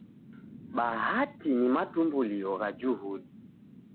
Bhati ni matumbulio gha juhudi.